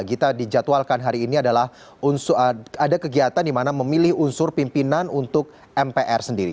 gita dijadwalkan hari ini adalah ada kegiatan dimana memilih unsur pimpinan untuk mpr sendiri